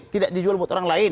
tidak dijual buat orang lain